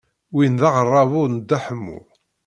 Win d aɣerrabu n Dda Ḥemmu.